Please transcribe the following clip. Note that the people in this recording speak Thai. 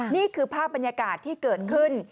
นี่คือภาพบรรยากาศที่เกิดขึ้น